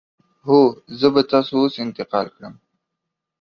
هو، زه به تاسو اوس انتقال کړم.